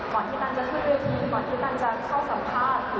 ก่อนที่ตอนจะขึ้นเรื่องนี้